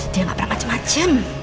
dia gak beracem acem